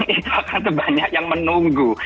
itu akan terbanyak yang menunggu